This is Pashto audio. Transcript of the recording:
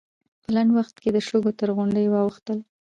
په لنډ وخت کې د شګو تر غونډۍ واوښتل.